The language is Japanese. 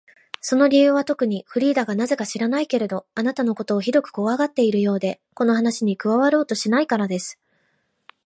その理由はとくに、フリーダがなぜか知らないけれど、あなたのことをひどくこわがっているようで、この話に加わろうとしないからです。